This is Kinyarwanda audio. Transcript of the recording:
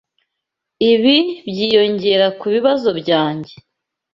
Ibi byiyongera kubibazo byanjye.